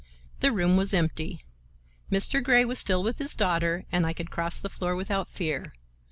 The room was empty. Mr. Grey was still with his daughter and I could cross the floor without fear.